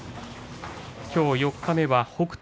きょう四日目は北勝